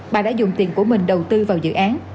bà đã dùng tiền của mình đầu tư vào dự án